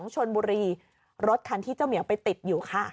ชนบุรีรถคันที่เจ้าเหมียวไปติดอยู่ค่ะ